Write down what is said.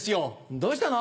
どうしたの？